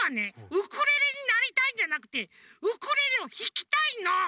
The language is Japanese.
ウクレレになりたいんじゃなくてウクレレをひきたいの！